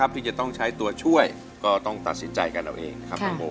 ที่จะต้องใช้ตัวช่วยก็ต้องตัดสินใจกันเอาเองครับน้องโบ